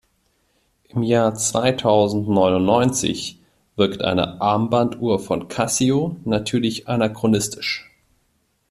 Im Jahr zweitausendneunundneunzig wirkt eine Armbanduhr von Casio natürlich anachronistisch.